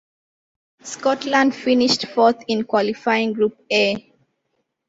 Scotland finished fourth in qualifying group A.